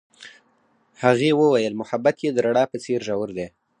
هغې وویل محبت یې د رڼا په څېر ژور دی.